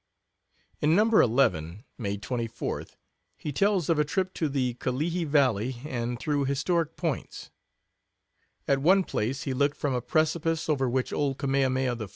In No. 11, May 24th, he tells of a trip to the Kalehi Valley, and through historic points. At one place he looked from a precipice over which old Kamehameha I.